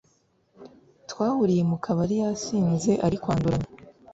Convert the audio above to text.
Twahuriye mukabari yasinze arikwanduranya